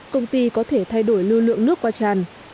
công ty có thể thay đổi lưu lượng nước qua tràn